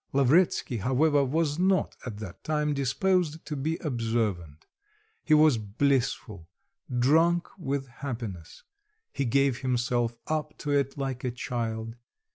Lavretsky, however, was not at that time disposed to be observant; he was blissful, drunk with happiness; he gave himself up to it like a child.